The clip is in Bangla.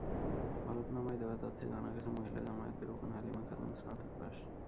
হলফনামায় দেওয়া তথ্যে জানা গেছে, মহিলা জামায়াতের রুকন হালিমা খাতুন স্নাতক পাস।